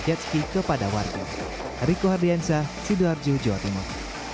jet ski kepada warga riku hardiansyah sidoarjo jawa timur